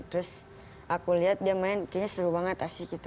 terus aku lihat dia main kayaknya seru banget asik gitu